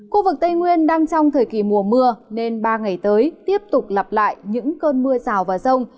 khu vực tây nguyên đang trong thời kỳ mùa mưa nên ba ngày tới tiếp tục lặp lại những cơn mưa rào và rông